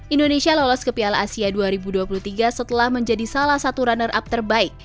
indonesia lolos ke piala asia dua ribu dua puluh tiga setelah menjadi salah satu runner up terbaik